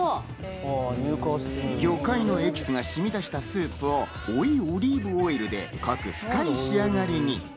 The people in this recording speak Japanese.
魚介のエキスがしみ出したスープを追いオリーブオイルでより濃く深い仕上がりに。